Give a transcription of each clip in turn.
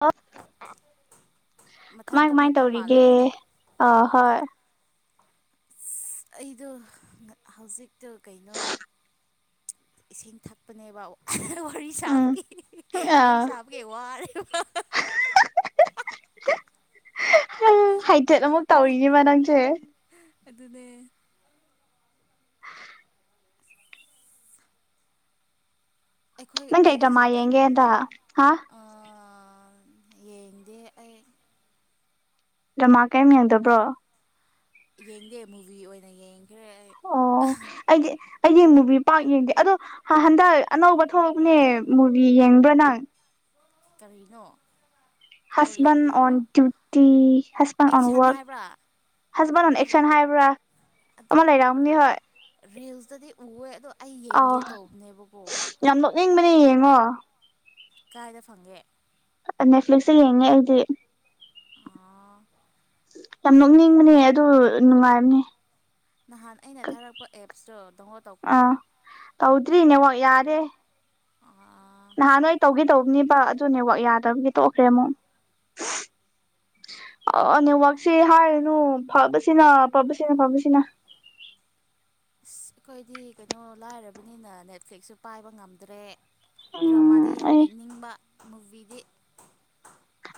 Hello ꯀꯃꯥꯏ ꯃꯊꯟꯇ ꯀꯃꯥꯏ ꯃꯨꯠꯄ ꯇꯧꯔꯤꯒꯦ ꯃꯥꯜꯂꯦ ꯑ ꯍꯣꯏ ꯑꯁ ꯑꯩꯗꯣ ꯍꯧꯖꯤꯛꯇꯣ ꯀꯩꯅꯣ ꯏꯁꯤꯡ ꯊꯛ ꯄꯅꯦꯕ ꯋꯥꯔꯤ ꯎꯝ ꯁꯥꯕꯀꯦ ꯋꯥꯔꯤ ꯑꯥ ꯁꯥꯕꯀꯦ ꯋꯥꯔꯦꯕ ꯍꯥꯏꯐꯦꯠ ꯑꯃꯨꯛ ꯇꯧꯔꯤꯅꯦꯕ ꯅꯪꯁꯦ ꯑꯗꯨꯅꯦ [unintelligible] ꯑꯩꯈꯣꯏ ꯅꯪ ꯀꯩ ꯗ꯭ꯔꯃꯥ ꯑꯩꯒꯤꯁꯦ ꯌꯦꯡꯒꯦ ꯀꯩꯏꯅꯣ ꯍꯟꯗꯛ ꯍꯥ ꯑꯥ ꯌꯦꯡꯗꯦ ꯑꯩ ꯗꯔꯃꯥ ꯀꯩꯝ ꯌꯦꯡꯗꯕ꯭ꯔꯣ ꯌꯦꯡꯗꯦ ꯃꯨꯚꯤ ꯑꯣꯏꯅ ꯌꯦꯡꯈ꯭ꯔꯦ ꯑꯩ ꯑꯣ ꯑꯩꯗꯤ ꯑꯩꯗꯤ ꯃꯨꯕꯤ ꯄꯥꯛ ꯌꯦꯡꯗꯦ ꯑꯗꯣ ꯍꯟꯗꯛ ꯑꯅꯧꯕ ꯊꯣꯛꯂꯛꯅꯦ ꯃꯨꯚꯤ ꯌꯦꯡꯕ꯭ꯔꯥ ꯅꯪ ꯀꯔꯤꯅꯣ ꯍꯖꯕꯦꯟ ꯀꯣꯔꯤꯌꯟꯒꯤꯔꯣ ꯑꯣꯟ ꯗꯌꯨꯇꯤ ꯍꯖꯕꯦꯟ ꯑꯣꯟ ꯑꯦꯛꯁꯟ ꯋꯥꯔꯛ ꯍꯥꯏꯕ꯭ꯔꯥ ꯍꯁꯕꯦꯟ ꯑꯣꯟ ꯑꯦꯛꯁꯟ ꯍꯥꯏꯕ꯭ꯔꯥ ꯑꯗꯣ ꯑꯃ ꯂꯩꯔꯝꯅꯤ ꯍꯣꯏ ꯔꯤꯜꯁꯇꯗꯤ ꯎꯋꯦ ꯑꯗꯣ ꯑꯩ ꯑꯥꯎ ꯌꯦꯡꯒꯦ ꯇꯧꯕꯅꯦꯕꯀꯣ ꯌꯥꯝ ꯅꯣꯛꯅꯤꯡꯕꯅꯦ ꯌꯦꯡꯉꯣ ꯀꯥꯏꯗ ꯐꯪꯒꯦ ꯑ ꯅꯦꯠꯐꯂꯤꯛꯁꯇ ꯌꯦꯡꯉꯦ ꯑꯩꯗꯤ ꯑꯥ ꯌꯥꯝ ꯅꯣꯛꯅꯤꯡꯕꯅꯦ ꯑꯗꯨ ꯅꯨꯡꯉꯥꯏꯕꯅꯦ ꯅꯍꯥꯟ ꯑꯩꯅ ꯊꯥꯔꯛꯄ ꯑꯦꯞꯁꯇꯣ ꯗꯥꯎꯟꯂꯣꯠ ꯇꯧꯈ꯭ꯔꯕꯣ ꯑꯥ ꯇꯧꯗ꯭ꯔꯤ ꯅꯦꯋꯥꯛ ꯌꯥꯗꯦ [unintelligible] ꯅꯍꯥꯟꯗꯤ ꯑꯩ ꯇꯧꯒꯦ ꯇꯧꯕꯅꯤꯕ ꯑꯗꯨ ꯅꯦꯋꯥꯛ ꯌꯥꯗꯕꯒꯤ ꯇꯣꯛꯈ꯭ꯔꯦ ꯑꯃꯨꯛ ꯑ ꯅꯦꯠꯋꯥꯛꯛꯁꯤ ꯍꯥꯏꯔꯅꯨ ꯐꯕꯁꯤꯅ ꯐꯕꯁꯤꯅ ꯐꯕꯁꯤꯅ ꯑꯁ ꯑꯩꯈꯣꯏꯗꯤ ꯀꯩꯅꯣ ꯂꯥꯏꯔꯕꯅꯤꯅ ꯅꯦꯠꯐ꯭ꯂꯤꯛꯁꯁꯨ ꯄꯥꯏꯕ ꯉꯝꯗ꯭ꯔꯦ ꯗ꯭ꯔꯃꯥꯗꯤ ꯎꯝ ꯌꯥꯝ ꯑꯩ ꯌꯦꯡꯅꯤꯡꯕ ꯃꯨꯚꯤꯗꯤ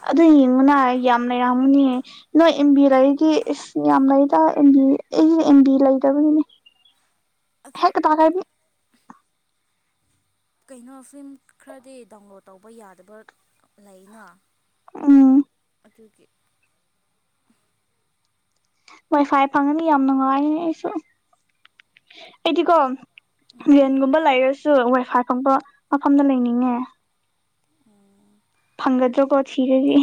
ꯑꯗꯨ ꯌꯦꯡꯉꯨꯅ ꯌꯥꯝꯅ ꯌꯥꯝꯒꯅꯤ ꯅꯣꯏ ꯑꯦꯝꯕꯤꯔꯗꯤ ꯏꯁ ꯌꯥꯝ ꯂꯩꯗ ꯑꯦꯝꯕꯤ ꯑꯩꯁ ꯑꯦꯝꯕꯤ ꯂꯩꯇꯕꯒꯤꯅꯤ ꯑꯗꯨ ꯍꯦꯛꯇ ꯇꯧꯔꯅꯤ ꯀꯩꯅꯣ ꯐꯤꯂꯝ ꯈꯔꯗꯤ ꯗꯥꯎꯟꯂꯣꯠ ꯇꯧꯕ ꯌꯥꯗꯕ ꯂꯩꯅ ꯎꯝ ꯑꯗꯨꯒꯤ ꯋꯥꯏ ꯐꯥꯏ ꯐꯪꯉꯅꯤ ꯌꯥꯝ ꯅꯨꯡꯉꯥꯏꯅꯤ ꯑꯩꯁꯨ ꯑꯩꯗꯤꯀꯣ ꯎꯝ ꯚꯦꯟꯒꯨꯝꯕ ꯂꯩꯔꯁꯨ ꯋꯥꯏꯐꯥꯏ ꯐꯪꯕ ꯃꯐꯝꯗ ꯂꯩꯅꯤꯡꯉꯦ ꯐꯪꯒꯗ꯭ꯔꯣ ꯀꯣ ꯊꯤꯔꯗꯤ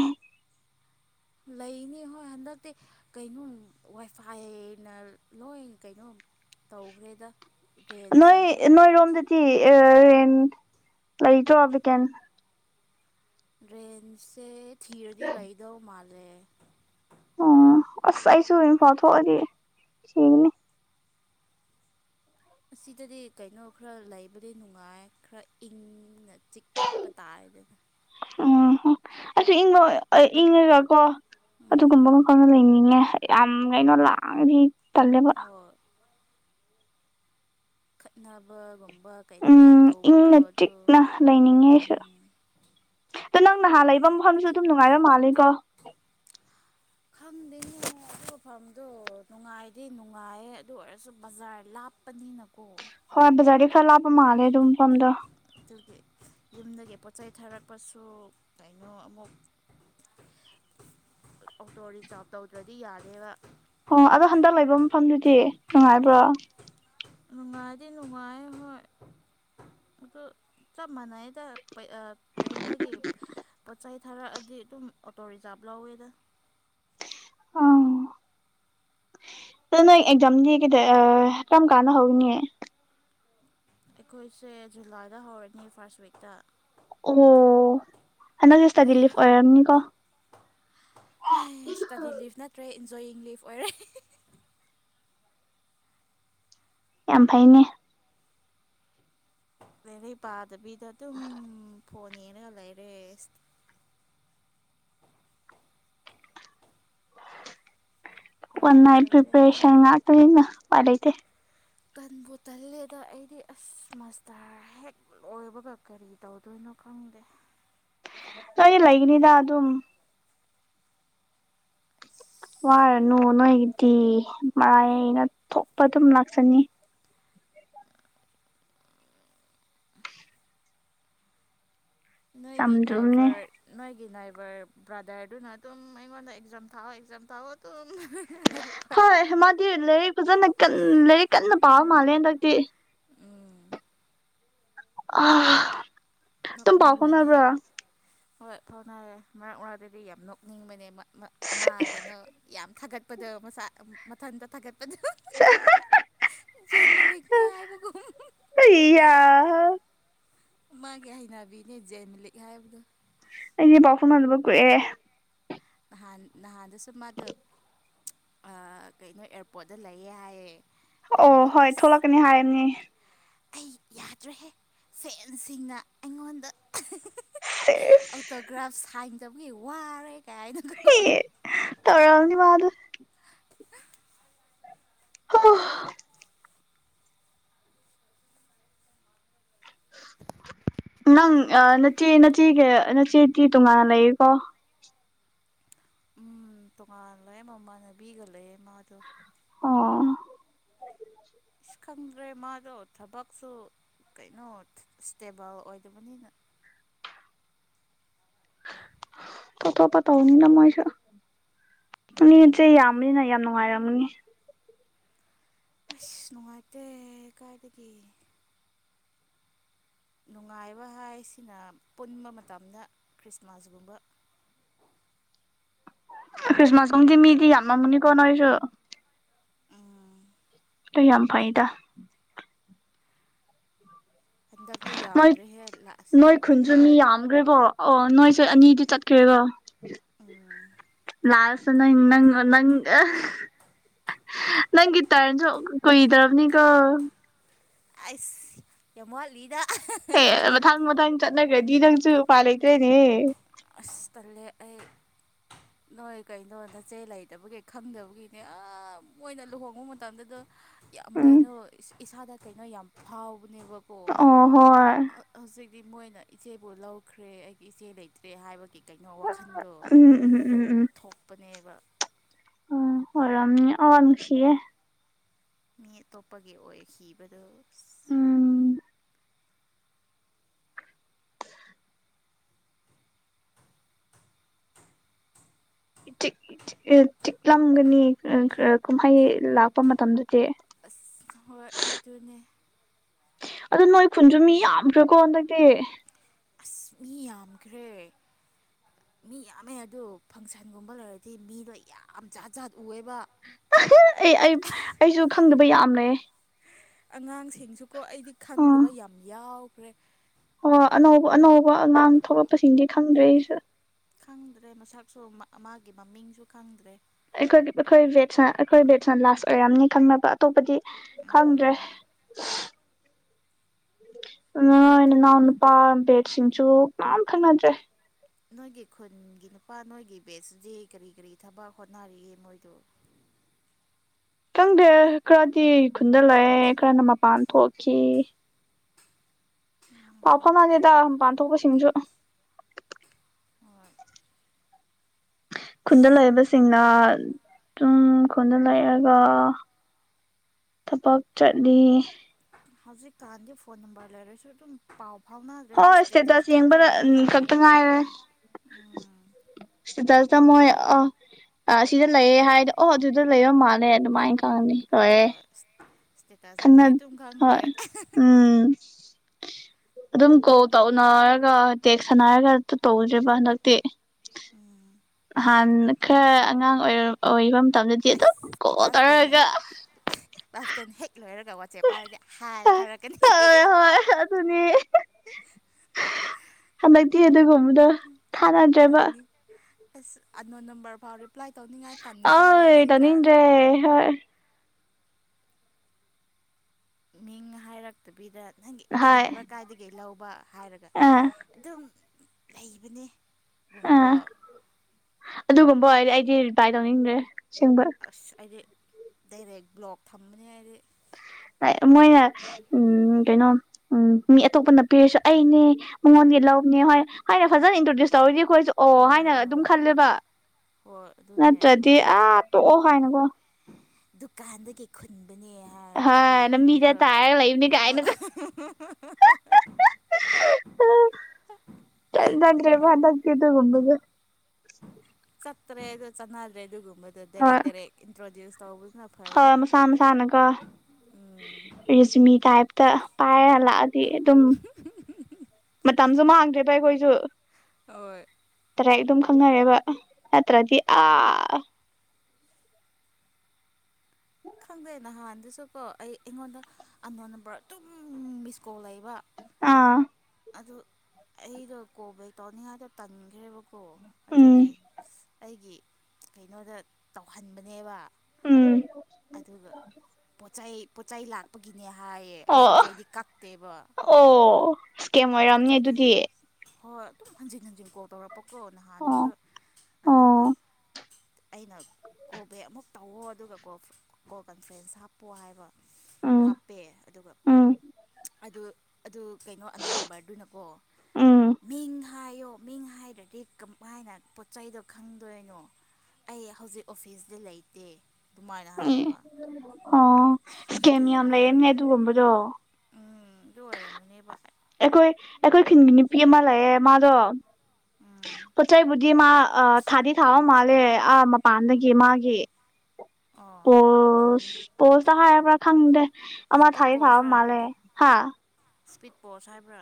ꯂꯩꯅꯤ ꯍꯣꯏ ꯍꯟꯗꯛꯗꯤ ꯀꯩꯅꯣ ꯋꯥꯏꯐꯥꯏꯅ ꯂꯣꯏ ꯀꯩꯅꯣ ꯇꯧꯈ꯭ꯔꯦꯗ ꯅꯣꯏ ꯔꯦꯟꯁꯤꯡꯁꯨ ꯅꯣꯏꯔꯣꯝꯗꯗꯤ ꯔꯦꯟ ꯂꯩꯇ꯭ꯔꯣ ꯚꯦꯀꯦꯟ ꯔꯦꯟꯁꯦ ꯊꯤꯔꯗꯤ ꯂꯩꯗꯧ ꯃꯥꯜꯂꯦ ꯑꯣ ꯑꯁ ꯑꯩꯁꯨ ꯢꯝꯐꯥꯜ ꯊꯣꯛꯑꯗꯤ ꯊꯤꯒꯅꯤ ꯑꯁꯤꯗꯗꯤ ꯀꯩꯅꯣ ꯈꯔ ꯂꯩꯕꯗꯤ ꯅꯨꯡꯉꯥꯏ ꯈꯔ ꯏꯪꯅ ꯆꯤꯛ ꯄ [unintelligible] ꯑꯣ ꯑꯁꯤ ꯏꯪꯉꯣ ꯏꯪꯉꯒ ꯀꯣ ꯑꯗꯨꯒꯨꯝꯕ ꯃꯐꯥꯝꯗ ꯂꯩꯅꯤꯡꯉꯦ ꯌꯥꯝ ꯀꯩꯅꯣ ꯂꯥꯡꯉꯗꯤ ꯇꯜꯂꯦꯕ ꯍꯣꯏ ꯈꯠꯅꯕꯒꯨꯝꯕ ꯀꯩꯅꯣ ꯌꯥꯝ ꯎꯝ ꯇꯧꯕꯗꯣ ꯏꯪꯅ ꯑꯗꯨ ꯆꯤꯛꯅ ꯂꯩꯅꯤꯡꯉꯦ ꯑꯩꯁꯨ ꯑꯗꯣ ꯅꯪꯅ ꯍꯥꯟ ꯂꯩꯕ ꯃꯐꯝꯁꯨ ꯑꯗꯨꯝ ꯅꯨꯡꯉꯥꯏꯕ ꯃꯥꯜꯂꯤꯀꯣ ꯈꯪꯗꯦꯅꯦ ꯑꯗꯨ ꯃꯐꯝꯗꯨ ꯅꯨꯡꯉꯥꯏꯗꯤ ꯅꯨꯡꯉꯥꯏꯌꯦ ꯑꯗꯨ ꯑꯣꯏꯔꯁꯨ ꯕꯖꯥꯔ ꯂꯥꯞ ꯄꯅꯤꯅꯀꯣ ꯍꯣꯏ ꯕꯖꯥꯔꯗꯤ ꯈꯔ ꯂꯥꯞꯄ ꯃꯥꯜꯂꯦ ꯑꯗꯨꯝ ꯃꯐꯝꯗꯣ ꯑꯗꯨꯒꯤ ꯌꯨꯝꯗꯒꯤ ꯄꯣꯠ ꯆꯩ ꯊꯥꯔꯛꯄꯁꯨ ꯀꯩꯅꯣ ꯑꯃꯨꯛ [inaudible] ꯑꯣꯇꯣ ꯔꯤꯖꯥꯚ ꯇꯧꯗ꯭ꯔꯗꯤ ꯌꯥꯗꯦꯕ ꯑꯣ ꯑꯗꯣ ꯍꯟꯗꯛ ꯂꯩꯕ ꯃꯐꯝꯗꯨꯗꯤ ꯅꯨꯡꯉꯥꯏꯕ꯭ꯔꯣ ꯅꯨꯡꯉꯥꯏꯑꯦꯗꯤ ꯅꯨꯡꯉꯥꯏ ꯍꯣꯏ ꯑꯗꯨ ꯆꯞ ꯃꯥꯟꯅꯩꯗ ꯈꯨꯟꯗꯒꯤ ꯄꯣꯠ ꯆꯩ ꯊꯥꯔꯛꯑꯗꯤ ꯑꯗꯨꯝ ꯑꯣꯇꯣ ꯔꯤꯖꯥꯕ ꯂꯧꯋꯦꯗ ꯑꯝ ꯑ ꯅꯣꯢ ꯑꯦꯛꯖꯥꯝꯗꯤ ꯀꯔꯝ ꯀꯥꯟꯗ ꯍꯧꯅꯤ ꯑꯩꯈꯣꯏꯁꯦ ꯖꯨꯂꯥꯏꯗ ꯍꯧꯔꯅꯤ ꯐꯥꯔꯁ ꯋꯤꯛꯇ ꯑꯣ ꯍꯥꯟꯗꯛꯇꯤ ꯢꯁꯇꯥꯗꯤ ꯂꯤꯞ ꯑꯣꯏꯔꯝꯅꯤꯀꯣ ꯏꯁꯇꯗꯤ ꯂꯤꯞ ꯅꯠꯇ꯭ꯔꯦ ꯏꯟꯖꯣꯋꯤꯡ ꯂꯤꯞ ꯑꯣꯏꯔꯦ ꯌꯥꯝ ꯐꯩꯅꯦ ꯂꯥꯢꯔꯤꯚ ꯄꯥꯗꯕꯤꯗ ꯑꯗꯨꯝ ꯐꯣꯟ ꯌꯦꯡꯉꯒ ꯂꯩꯔꯦ ꯇꯟꯕꯨ ꯋꯥꯟꯅꯥꯏꯠ ꯇꯜꯂꯦꯗ ꯄꯤꯄꯔꯦꯁꯟ ꯉꯥꯛꯇꯅꯤꯗ ꯎꯄꯥꯢ ꯂꯩꯇꯦ ꯇꯟꯕꯨ ꯇꯜꯂꯦꯗ ꯑꯩꯗꯤ ꯑꯁ ꯃꯁꯇꯥꯔ ꯍꯦꯛ ꯂꯣꯏꯕꯒ ꯀꯔꯤ ꯇꯧꯗꯣꯏꯅꯣ ꯈꯪꯗꯦ ꯅꯪꯗꯤ ꯂꯩꯒꯅꯤꯗ ꯑꯗꯨꯝ ꯑꯁ ꯋꯥꯔꯅꯨ ꯑꯣꯔ ꯅꯣꯏꯒꯤꯗꯤ ꯃꯔꯥꯏꯅ ꯊꯣꯛꯄ ꯑꯗꯨꯝ ꯂꯥꯛꯆꯅꯤ ꯅꯣꯏꯒꯤ ꯆꯝꯗ꯭ꯔꯨꯝꯅꯦ ꯅꯥꯏꯕꯔ ꯅꯣꯏꯒꯤ ꯅꯥꯏꯕꯔ ꯕ꯭ꯔꯗꯔꯗꯨꯅ ꯑꯗꯨꯝ ꯑꯩꯉꯣꯟꯗ ꯑꯦꯛꯖꯥꯝ ꯊꯥꯎꯋꯣ ꯑꯦꯛꯖꯥꯝ ꯊꯥꯎꯋꯣ ꯑꯗꯨꯝ [unintelligible] ꯍꯥꯏꯔꯛꯐ ꯫ ꯍꯣꯏ ꯃꯥꯗꯤ ꯂꯥꯏꯔꯤꯛ ꯐꯖꯅ ꯀꯟ ꯂꯥꯏꯔꯤꯛ ꯀꯟꯅ ꯄꯥꯕ ꯃꯥꯜꯂꯦ ꯍꯟꯗꯛꯇꯤ ꯫ ꯎꯝ [unintelligible] ꯇꯨꯝ ꯄꯥꯎ ꯅꯣꯛꯅꯤꯡꯕꯅꯦ ꯐꯥꯎꯅꯕ꯭ꯔꯥ ꯫ ꯍꯣꯏ ꯐꯥꯎꯅꯌꯦ ꯃꯔꯛ ꯃꯔꯛꯇꯗꯤ ꯌꯥꯝ ꯅꯣꯛꯅꯤꯡꯕꯅꯦꯕ ꯃ ꯃꯥ ꯀꯩꯅꯣ ꯌꯥꯝ ꯊꯥꯒꯠꯄꯗꯣ ꯃꯁꯥ ꯑꯝ ꯃꯊꯟꯇ ꯊꯥꯒꯠꯄꯗꯨ ꯫ [unintelligible] ꯖꯦꯟ ꯃꯂꯤꯛꯅꯦ ꯍꯥꯏꯕꯒꯨꯝ ꯫ ꯑꯩꯌꯥꯍ ꯃꯥꯒꯤ ꯍꯩꯅꯕꯤꯅꯦ ꯖꯦꯟ ꯃꯂꯤꯛ ꯍꯥꯏꯕꯗꯨ ꯫ ꯑꯩꯗꯤ ꯄꯥꯎ ꯐꯥꯎꯅꯗꯕ ꯀꯨꯏꯌꯦ ꯫ ꯅꯍꯥꯟ ꯅꯍꯥꯟꯗꯁꯨ ꯃꯥꯗꯣ ꯑꯥ ꯀꯩꯅꯣ ꯑꯦꯔꯄꯣꯔꯠꯇ ꯂꯩꯌꯦ ꯍꯥꯏꯌꯦ ꯫ ꯑꯣ ꯍꯣꯏ ꯊꯣꯛꯂꯛꯀꯅꯤ ꯍꯥꯏꯌꯝꯅꯤ ꯫ ꯑꯩ ꯌꯥꯗ꯭ꯔꯦꯍꯦ ꯁꯦꯜꯁꯤꯡꯅ ꯑꯩꯉꯣꯟꯗ ꯁꯦꯖ ꯫ ꯇꯣꯒ꯭ꯔꯥꯐ ꯁꯥꯏꯟ ꯗꯧꯕꯒꯤ ꯋꯥꯔꯦ ꯀꯥꯏ ꯍꯦ ꯇꯧꯔꯝꯅꯤ ꯃꯥꯗꯨ ꯫ [unintelligible] [unintelligible] ꯅꯪ ꯑꯥ ꯅꯆꯦ - ꯅꯆꯦꯒ ꯅꯆꯦꯒꯤ ꯇꯣꯉꯥꯟ ꯂꯩꯌꯦ ꯀꯣ ꯫ ꯎꯝ ꯇꯣꯉꯥꯜꯂꯦ ꯃꯃꯥꯟꯅꯕꯤꯒ ꯂꯩꯌꯦ ꯃꯥꯗꯣ ꯫ ꯑꯣ ꯫ ꯑꯁ ꯈꯪꯗ꯭ꯔꯦ ꯃꯥꯗꯣ ꯊꯕꯛꯁꯨ ꯀꯩꯅꯣ ꯁ꯭ꯇꯦꯕꯜ ꯑꯣꯏꯗꯕꯅꯤꯅ ꯫ ꯊꯣꯛ ꯊꯣꯛꯄ ꯇꯧꯅꯤꯅ ꯃꯣꯏꯁꯨ ꯎꯝ ꯌꯥꯝꯃꯅꯤꯅ ꯌꯥꯝ ꯅꯨꯡꯉꯥꯏꯔꯝꯃꯅꯤ ꯫ ꯑꯁ ꯅꯨꯡꯉꯥꯏꯇꯦ ꯀꯥꯏꯗꯒꯤ ꯫ ꯅꯨꯡꯉꯥꯏꯕ ꯍꯥꯏꯁꯤꯅ ꯄꯨꯟꯕ ꯃꯇꯝꯗ ꯀ꯭ꯔꯤꯁꯃꯥꯁ ꯒꯨꯝꯕ ꯫ ꯈ꯭ꯔꯤꯁꯃꯥꯁ ꯀꯨꯝꯗꯤ ꯃꯤꯗꯤ ꯌꯥꯝ ꯃꯝ ꯃꯅꯤꯀꯣ ꯅꯣꯏꯖꯨ ꯎꯝ ꯇꯨ ꯌꯥꯝ ꯐꯩꯗ ꯍꯟꯗꯛꯇꯤ ꯃꯣꯏ ꯌꯥꯝꯗ꯭ꯔꯦꯍꯦ ꯂꯥꯁ ꯅꯣꯏ ꯌꯥꯔꯗꯗꯤ ꯈꯨꯟꯖꯨ ꯃꯤ ꯌꯥꯝꯒ꯭ꯔꯦꯀꯣ ꯑꯣ ꯅꯣꯏꯁꯦ ꯑꯅꯤꯗꯤ ꯆꯠꯈ꯭ꯔꯦꯒꯣ ꯎꯝ ꯂꯥꯁ [unintelligible] ꯅꯪ ꯒꯤ ꯇꯔꯟ ꯖꯣ ꯀꯨꯏꯗ꯭ꯔꯝꯅꯤꯀꯣ ꯑꯩꯁ ꯌꯥꯝ ꯋꯥꯠꯂꯤꯗ [unintelligible] ꯃꯗꯪ ꯆꯠꯅꯒ꯭ꯔꯗꯤ ꯅꯪꯖꯨ ꯎꯄꯥꯏ ꯂꯩꯇ꯭ꯔꯦꯅꯦ ꯑꯁ ꯇꯜꯂꯦ ꯑꯩ ꯫ ꯅꯣꯏ ꯀꯩꯅꯣ ꯅꯆꯦ ꯂꯩꯇꯕꯒꯤ ꯈꯪꯗꯕꯒꯤꯅꯦ ꯑꯥ ꯃꯣꯏꯅ ꯂꯨꯍꯣꯡꯕ ꯃꯇꯝꯗꯗꯣ ꯌꯥꯝ ꯎꯝ ꯀꯩꯅꯣ ꯏꯁ ꯏꯁꯥꯗ ꯀꯩꯅꯣ ꯌꯥꯝ ꯐꯥꯎꯕꯅꯦꯕꯀꯣ ꯑꯣ ꯍꯣꯏ ꯑꯥ ꯍꯧꯖꯤꯛꯇꯤ ꯃꯣꯏꯅ ꯏꯆꯦꯕꯨ ꯂꯧꯈ꯭ꯔꯦ ꯑꯩꯒꯤ ꯏꯆꯦ ꯂꯩꯇ꯭ꯔꯦ ꯍꯥꯏꯕꯒꯤ ꯀꯩꯅꯣ ꯋꯥꯈꯟꯗꯣ ꯎꯝ ꯎꯝ ꯎꯝ ꯎꯝ ꯊꯣꯛꯄꯅꯦꯕ ꯎꯝ ꯑꯣꯏꯔꯝꯅꯤ ꯑꯣ ꯅꯨꯡꯁꯤꯌꯦ ꯫ ꯃꯤ ꯑꯇꯣꯞꯄꯒꯤ ꯑꯣꯏ ꯈꯤꯕꯗꯣ ꯫ ꯎꯝ ꯆꯤꯛ - ꯆꯤꯛꯑ ꯆꯤꯛꯂꯝꯒꯅꯤ ꯑꯪ - ꯑ ꯀꯨꯝꯍꯩ ꯂꯥꯛꯄ ꯃꯇꯝꯗꯨꯗꯤ ꯫ ꯑꯁ ꯍꯣꯏ ꯑꯗꯨꯅꯦ ꯫ ꯑꯗꯨ ꯅꯣꯏ ꯈꯨꯟꯖꯨ ꯃꯤ ꯌꯥꯝꯈ꯭ꯔꯦꯀꯣ ꯍꯟꯗꯛꯇꯤ ꯫ ꯑꯁ ꯃꯤ ꯌꯥꯝꯈ꯭ꯔꯦ ꯫ ꯃꯤ ꯌꯥꯝꯃꯦ ꯑꯗꯨ ꯐꯪꯁꯟꯒꯨꯝꯕ ꯂꯩꯔꯗꯤ ꯃꯤꯗꯣ ꯌꯥꯝ ꯖꯥꯠ ꯖꯥꯠ ꯎꯌꯦꯕ ꯫ ꯑꯩ - ꯑꯩ ꯑꯩꯖꯨ ꯈꯪꯗꯕ ꯌꯥꯝ ꯂꯩꯌꯦ ꯫ ꯑꯉꯥꯡꯁꯤꯡꯁꯨꯀꯣ ꯑꯩꯗꯤ ꯈꯪꯗꯕ ꯌꯥꯝ ꯌꯥꯎꯈ꯭ꯔꯦ ꯍꯥ ꯑꯅꯧꯕ ꯑꯅꯧꯕ ꯑꯉꯥꯡ ꯊꯣꯛꯂꯛꯄꯁꯤꯡꯗꯤ ꯈꯪꯗ꯭ꯔꯦ ꯑꯩꯁꯨ ꯈꯪꯗ꯭ꯔꯦ ꯃꯁꯛꯁꯨ ꯃꯥ ꯃꯥꯒꯤ ꯃꯃꯤꯡꯁꯨ ꯈꯪꯗ꯭ꯔꯦ ꯑꯩꯈꯣꯏꯒꯤ ꯑꯩꯈꯣꯏ ꯕꯦꯠꯁꯅꯥ ꯑꯩꯈꯣꯏ ꯕꯦꯠꯁꯅꯥ ꯂꯥꯁ ꯑꯣꯏꯔꯝꯅꯤ ꯈꯪꯅꯕ ꯑꯇꯣꯞꯄꯗꯤ ꯈꯪꯗ꯭ꯔꯦ ꯎꯝ ꯅꯣꯏꯒꯤ ꯅꯅꯥꯎ ꯅꯨꯄꯥ ꯕꯦꯠꯁ ꯁꯤꯡꯁꯨ ꯀ꯭ꯅꯥꯝ ꯈꯪꯅꯗ꯭ꯔꯦ ꯅꯣꯏꯒꯤ ꯈꯨꯟꯒꯤ ꯅꯨꯄꯥ ꯅꯣꯏꯒꯤ ꯕꯦꯠꯁꯤꯗꯤ ꯀꯔꯤ ꯀꯔꯤ ꯊꯕꯛ ꯍꯣꯠꯅꯔꯤꯒꯦ ꯃꯣꯏꯗꯨ ꯈꯪꯗꯦ ꯈꯔꯗꯤ ꯈꯨꯟꯗ ꯂꯩ ꯈꯔꯅ ꯃꯄꯥꯟ ꯊꯣꯛꯈꯤ ꯄꯥꯎ ꯐꯥꯎꯅꯥꯗꯦꯗꯥ ꯃꯄꯥꯟꯊꯣꯛꯄꯁꯤꯡꯁꯨ ꯍꯣꯢ ꯈꯨꯟꯗ ꯂꯩꯕꯁꯤꯡꯅ ꯇꯨꯝ ꯈꯨꯟꯗ ꯂꯩꯔꯒ ꯊꯕꯛ ꯆꯠꯂꯤ ꯍꯧꯖꯤꯛ ꯀꯥꯟꯗꯤ ꯐꯣꯟ ꯅꯝꯕꯔ ꯂꯩꯔꯁꯨ ꯗꯨꯝ ꯄꯥꯎ ꯐꯥꯎꯅ ꯍꯣꯏ ꯏꯁꯇꯦꯇꯁ ꯌꯦꯡꯕꯗ ꯈꯛꯇ ꯉꯥꯏꯔꯦ ꯎꯝ ꯏꯁꯇꯦꯇꯁꯇ ꯃꯣꯏ ꯑ ꯑ ꯁꯤꯗ ꯂꯩꯌꯦ ꯍꯥꯏꯗꯤ ꯑꯣꯍ ꯑꯗꯨꯗ ꯂꯩꯔ ꯃꯥꯜꯂꯦ ꯗꯨꯃꯥꯏꯅ ꯈꯪꯉꯤ ꯍꯣꯏ ꯏꯁ ꯏꯁꯇꯦꯇꯁꯗꯒꯤ ꯑꯗꯨꯨꯝ ꯈꯪꯈ꯭ꯔꯦ ꯍꯣꯏ [inaudible] ꯑꯗꯨꯝ ꯀꯣꯜ ꯇꯧꯅꯔꯒ ꯇꯦꯛꯁ ꯁꯥꯟꯅꯔꯒ ꯇꯨ ꯇꯧꯗ꯭ꯔꯦꯕ ꯍꯟꯗꯛꯇꯤ ꯍꯥꯟꯅ ꯈꯔ ꯑꯉꯥꯡ ꯑꯣꯏꯔ ꯑꯣꯏꯕ ꯃꯇꯝꯗꯗꯤ ꯑꯗꯨꯝ ꯑꯁ ꯀꯣꯜ ꯀ꯭ꯂꯥꯁ ꯇꯦꯟ ꯇꯧꯔꯒ ꯍꯦꯛ ꯀꯂ꯭ꯥꯁ ꯇꯦꯟ ꯍꯦꯛ ꯂꯣꯏꯔꯒ ꯋꯥꯆꯦꯞ ꯄꯥꯏꯔꯒ ꯍꯥꯏ ꯊꯥꯔꯛꯀꯅꯤ ꯑꯗꯨꯅꯦ ꯍꯟꯗꯛꯇꯤ ꯑꯗꯨꯒꯨꯝꯕꯗꯣ ꯊꯥꯅꯗ꯭ꯔꯦꯕ ꯇꯟꯅꯤ ꯑꯁ ꯑꯟꯅꯣꯟ ꯅꯝꯕꯔ ꯐꯥꯎ ꯔꯤꯄ꯭ꯂꯥꯏ ꯇꯧꯅꯤꯡꯉꯥꯏ ꯇꯟꯈ꯭ꯔꯦ ꯑꯣꯏ ꯍꯧꯖꯤꯛꯀꯥꯟ ꯇꯧꯅꯤꯡꯗ꯭ꯔꯦ ꯍꯣꯏ ꯅꯍꯥꯏꯔꯛꯇꯕꯤꯗ ꯅꯪꯒꯤ ꯑꯩꯒꯤ ꯍꯣꯏ ꯅꯝꯕꯔ ꯀꯥꯏꯗꯒꯤ ꯂꯧꯕ ꯍꯥꯏꯔꯒ ꯑꯥ ꯑꯗꯨꯝ ꯂꯩꯕꯅꯦ ꯑꯥ ꯒꯨꯝꯕ ꯑꯗꯨꯒꯨꯝꯕ ꯑꯣꯏꯔꯗꯤ ꯑꯩꯗꯤ ꯔꯤꯄ꯭ꯂꯥꯏ ꯇꯧꯅꯤꯡꯗ꯭ꯔꯦ ꯑꯁꯦꯡꯕ ꯑꯁ ꯑꯩꯗꯤ ꯗꯥꯏꯔꯦꯛ ꯕ꯭ꯂꯣꯛ ꯊꯝꯕꯅꯤ ꯍꯥꯏꯔꯤ ꯃꯣꯏꯅ ꯎꯝ ꯀꯩꯅꯣ ꯎꯝ ꯃꯤ ꯑꯇꯣꯞꯄꯅ ꯄꯤꯔꯁꯨ ꯑꯩꯅꯦ ꯃꯉꯣꯟꯗꯩꯩ ꯂꯧꯕꯅꯦ ꯍꯣꯏ ꯍꯥꯏꯅ ꯐꯖꯅ ꯏꯟꯇ꯭ꯔꯣꯗ꯭ꯌꯨꯁ ꯇꯧꯔꯗꯤ ꯑꯩꯈꯣꯏꯁꯨ ꯑꯣ ꯍꯥꯏꯅ ꯑꯗꯨꯝ ꯑꯥ ꯈꯜꯂꯦꯕ ꯍꯣꯏ ꯑꯗꯨꯅꯦ ꯅꯠꯇ꯭ꯔꯗꯤ ꯑꯥ ꯇꯣꯛꯑꯣ ꯍꯥꯏꯅꯀꯣ ꯗꯨꯀꯥꯟꯗꯒꯤ ꯈꯨꯟꯕꯅꯦ ꯍꯥꯏ ꯀꯔꯤ ꯍꯣꯏ ꯂꯝꯕꯤꯗ ꯀ꯭ꯔꯤꯔ ꯇꯥꯔꯒ ꯂꯩꯕꯅꯤ ꯀꯥꯏꯅꯒ [unintelligible] [inaudible] ꯗ꯭ꯔꯦꯕ ꯍꯟꯗꯛꯇꯤ ꯑꯗꯨꯒꯨꯝꯕꯒ ꯆꯠꯇ꯭ꯔꯦ ꯑꯗꯨ ꯆꯠꯅꯗ꯭ꯔꯦ ꯑꯗꯨꯒꯨꯝꯕꯗꯣ ꯗꯥꯏꯔꯦꯛ ꯍꯣꯏ ꯗꯥꯏꯔꯦꯛ ꯏꯟꯇ꯭ꯔꯣꯗ꯭ꯌꯨꯁ ꯇꯧꯕꯁꯤꯅ ꯐꯔꯦ ꯍꯣꯏ ꯃꯁꯥ ꯃꯁꯥꯅꯀꯣ ꯎꯝ ꯔꯦꯖꯨꯃꯤ ꯇꯥꯏꯞꯇ ꯄꯥꯏꯔ ꯂꯥꯛꯑꯣ ꯗꯤ ꯑꯗꯨꯝ ꯃꯇꯝꯁꯨ ꯃꯥꯡꯗ꯭ꯔꯦꯗ ꯑꯩꯈꯣꯏꯁꯨ ꯍꯣꯏ ꯇꯔꯥꯏ ꯑꯗꯨꯝ ꯈꯪꯅꯔꯦꯕ ꯅꯠꯇ꯭ꯔꯗꯤ ꯑꯥ ꯈꯪꯗꯦ ꯅꯍꯥꯟꯗꯨꯁꯨꯀꯣ ꯑꯩ ꯑꯩꯉꯣꯟꯗ ꯑꯟꯅꯣꯟ ꯅꯝꯕꯔ ꯑꯗꯨꯝ ꯃꯤꯁ ꯀꯣꯜ ꯂꯩꯕ ꯑꯥ ꯑꯗꯨ ꯑꯩꯗꯣ ꯀꯣꯜ ꯕꯦꯛ ꯇꯧꯅꯤꯡꯉꯥꯏꯗꯣ ꯇꯟꯈ꯭ꯔꯦꯕ ꯒꯣ ꯎꯝ ꯑꯗꯨꯒꯤ ꯑꯩꯒꯤ ꯀꯩꯅꯣꯗ ꯇꯧꯍꯟꯕꯅꯦꯕ ꯎꯝ ꯑꯗꯨꯒ ꯄꯣꯠꯆꯩ ꯄꯣꯠꯆꯩ ꯂꯥꯛ ꯄꯒꯤꯅꯦ ꯍꯥꯏꯌꯦ ꯑꯩ ꯑꯣ ꯄꯣꯠꯆꯩꯗꯤ ꯀꯛꯇꯦꯕ ꯑꯣ ꯏꯁꯀꯦꯝ ꯑꯣꯏꯔꯝꯅꯤ ꯄꯣꯠꯆꯩꯗꯤ ꯑꯗꯨꯗꯤ ꯍꯣꯏ ꯑꯗꯨꯝ ꯍꯟꯖꯤꯟ ꯍꯟꯖꯤꯟ ꯀꯣꯜ ꯇꯧꯔꯛꯄ ꯀꯣ ꯅꯍꯥꯟꯗꯨꯁꯨ ꯑꯣ ꯑꯗꯨꯒ ꯑꯣ ꯑꯩꯅ ꯀꯣꯜ ꯕꯦꯛ ꯑꯃꯨꯛ ꯇꯧꯋꯣ ꯑꯗꯨꯒ ꯀꯣꯜ ꯀꯣꯜ ꯀꯟꯐ꯭ꯔꯦꯟꯁ ꯍꯥꯞꯄꯣ ꯍꯥꯏꯕ ꯎꯝ ꯍꯥꯞꯄꯦ ꯑꯗꯨꯒ ꯎꯝ ꯑꯗꯨ ꯑꯗꯨ ꯀꯩꯅꯣ ꯑꯅꯣꯟ ꯅꯝ ꯑꯗꯨꯅꯀꯣ ꯎꯝ ꯃꯤꯡ ꯍꯥꯏꯌꯣ ꯃꯤꯡ ꯍꯥꯏꯗꯥꯔꯗꯤ ꯀꯍꯥꯏꯅ ꯄꯣꯠ ꯆꯩꯗꯣ ꯈꯪꯗꯣꯏꯅꯣ꯫ ꯑꯩ ꯍꯧꯖꯤꯛ ꯑꯣꯐꯤꯁꯇ ꯂꯩꯇꯦ ꯑꯗꯨꯃꯥꯏꯅ ꯍꯥꯏꯌꯦꯕ꯫ ꯑꯣ ꯏꯁꯀꯦꯝ ꯌꯥꯝ ꯂꯩꯔꯝꯅꯦ ꯑꯗꯨꯒꯨꯝꯕꯗꯣ꯫ ꯎꯝ ꯑꯗꯨ ꯑꯣꯏꯔꯝꯒꯅꯦꯕ꯫ ꯑꯩꯈꯣꯏ ꯑꯩꯈꯣꯏ ꯈꯨꯟꯒꯤ ꯅꯨꯄꯤ ꯑꯃ ꯂꯩꯑꯦ ꯃꯥꯗꯣ꯫ ꯎꯝ ꯄꯣꯠꯆꯩꯕꯨꯗꯤ ꯃꯥ ꯑꯥ ꯊꯗꯤ ꯊꯥꯎꯑꯣ꯫ ꯃꯥꯜꯂꯦ ꯑꯥ ꯃꯄꯥꯟꯗꯒꯤ ꯃꯥꯒꯤ ꯑꯣ ꯄꯣꯁ꯫ ꯄꯣꯁꯇ ꯍꯧꯕꯔ ꯈꯪꯗꯦ ꯑꯃꯥ ꯏꯁꯄꯤꯠ ꯊꯥꯗꯤ ꯊꯥꯕ ꯃꯥꯂꯦ ꯍꯥꯥ꯫ ꯁ꯭ꯄꯤꯠ ꯕꯣꯁ ꯍꯥꯏꯕ꯭ꯔꯥ꯫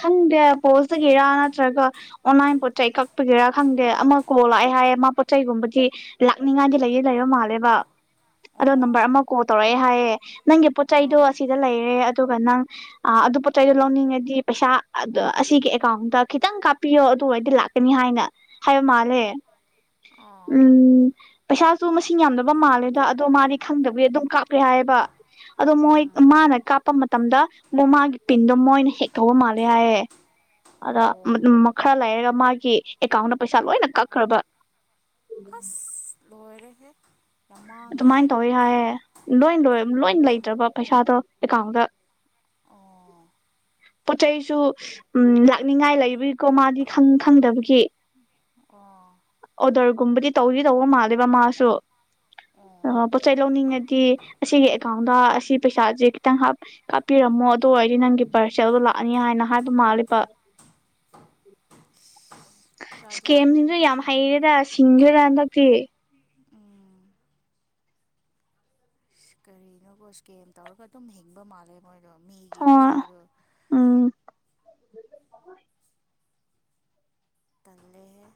ꯈꯪꯗꯦ ꯄꯣꯁꯇꯒꯤꯔꯥ ꯅꯠꯇ꯭ꯔꯒ ꯑꯣꯟꯂꯥꯏꯟ ꯄꯣꯠ ꯆꯩ ꯀꯛꯄꯒꯤꯔꯥ ꯈꯪꯗꯦ ꯑꯃ ꯀꯣꯛ ꯂꯥꯛꯑꯦ ꯍꯥꯏꯌꯦ ꯃꯥ ꯄꯣꯠ ꯆꯩꯒꯨꯝꯕꯒꯤ ꯂꯥꯛꯅꯤꯡꯉꯥꯏꯗꯤ ꯂꯩꯗꯤ ꯂꯩꯕ ꯃꯥꯜꯂꯦꯕ꯫ ꯑꯗꯣ ꯑꯣ ꯅꯝꯕꯔ ꯑꯃ ꯀꯣꯜ ꯇꯧꯔꯛꯑꯦ ꯍꯥꯏꯌꯦ ꯅꯪꯒꯤ ꯄꯣꯠ ꯆꯩꯗꯣ ꯑꯣ ꯑꯁꯤꯗ ꯂꯩꯔꯦ ꯑꯗꯨꯒ ꯅꯪ ꯑ ꯑꯗꯨ ꯄꯣꯠꯆꯩꯗꯣ ꯂꯧꯅꯤꯡꯉꯗꯤ ꯄꯩꯁꯥ ꯑ ꯑꯁꯤꯒꯤ ꯑꯦꯀꯥꯎꯟꯗ ꯈꯤꯇꯪ ꯀꯥꯞꯄꯤꯌꯣ ꯑꯗꯨ ꯑꯣꯢꯔꯗꯤ ꯂꯥꯛꯀꯅꯤ ꯍꯥꯏꯅ꯫ ꯍꯥꯏꯕ ꯃꯥꯜꯂꯦ꯫ ꯑꯣ ꯎꯝ ꯄꯩꯁꯥꯁꯨ ꯃꯁꯤꯡ ꯌꯥꯝꯗꯕ ꯃꯥꯜꯂꯦꯗ ꯑꯗꯣ ꯃꯥꯗꯤ ꯈꯪꯗꯕꯒꯤ ꯑꯗꯨꯝ ꯀꯥꯞꯄꯦ ꯍꯥꯏꯌꯦꯕ ꯑꯗꯣ ꯃꯣꯏ ꯎꯝ ꯃꯥꯅ ꯀꯥꯞꯄ ꯃꯥ ꯃꯇꯝꯗ ꯃꯥꯒꯤ ꯄꯤꯟꯗꯣ ꯃꯣꯏꯅ ꯍꯦꯛ ꯇꯧꯕ ꯃꯥꯜꯂꯦ ꯍꯥꯏꯌꯦ ꯑꯗ ꯑꯣ ꯈꯔ ꯂꯩꯔꯒ ꯃꯥꯒꯤ ꯑꯦꯀꯥꯎꯟꯗ ꯄꯩꯁꯥ ꯂꯣꯏꯅ ꯀꯥꯛꯈ꯭ꯔꯕ꯫ ꯑꯥꯁ ꯂꯣꯏꯔꯦꯍꯦ꯫ ꯌꯥꯝ ꯃꯥꯡꯉꯦ ꯑꯗꯨꯃꯥꯏꯅ ꯇꯧꯋꯦ ꯍꯥꯏꯌꯦ ꯂꯣꯏ ꯂꯣꯏ ꯂꯣꯏ ꯂꯩꯇ꯭ꯔꯕ ꯄꯩꯁꯥꯗꯣ ꯑꯦꯀꯥꯎꯟꯗ꯫ ꯑꯣ꯫ ꯄꯣꯠ ꯆꯩꯁꯨ ꯎꯝ ꯂꯥꯛꯅꯤꯡꯉꯥꯏ ꯂꯩꯕꯒꯤꯀꯣ ꯃꯥꯗꯤ ꯈꯪ ꯈꯪꯗꯕꯒꯤ꯫ ꯑꯣ꯫ ꯑꯣꯗꯔꯒꯨꯝꯕꯗꯤ ꯇꯧꯗꯤ ꯇꯧꯕ ꯃꯥꯜꯂꯦꯕ ꯃꯥꯁꯨ ꯑꯣ [unintelligible] ꯁꯤ ꯂꯧꯅꯤꯡꯉꯗꯤ ꯑꯁꯤꯒꯤ ꯑꯦꯀꯥꯎꯟꯗ ꯑꯁꯤ ꯄꯩꯁꯥꯁꯦ ꯈꯤꯇꯪ ꯍꯥꯞ ꯀꯥꯞꯄꯤꯔꯝꯃꯣ ꯑꯗꯨ ꯑꯣꯏꯔꯗꯤ ꯅꯪꯒꯤ ꯄꯥꯔꯁꯦꯜꯗꯣ ꯂꯥꯛꯑꯅꯤ ꯍꯥꯏꯅ ꯍꯥꯏꯕ ꯃꯥꯜꯂꯦꯕ꯫ ꯖꯥꯠ ꯖꯥꯠꯅꯤꯍꯦ ꯏꯁꯀꯦꯝꯁꯤꯡꯁꯨ ꯌꯥꯝ ꯃꯤꯁꯤꯡꯁꯨ ꯍꯩꯔꯦꯗ ꯁꯤꯡꯒꯦꯔ ꯍꯟꯗꯛꯇꯤ꯫ ꯎꯝ꯫ ꯀꯔꯤꯅꯣꯒꯣ ꯏꯁ꯭ꯀꯦꯝ ꯇꯧꯔꯒ ꯑꯗꯨꯝ ꯍꯤꯡꯕ ꯃꯥꯜꯂꯦ ꯃꯣꯏꯗꯣ ꯃꯤꯒꯤ ꯍꯣꯏ ꯄꯩꯁꯥꯗꯣ꯫ ꯎꯝ ꯇꯟꯗꯦ ꯌꯥꯝ